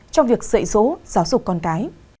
trong việc dạy dỗ giáo dục con cái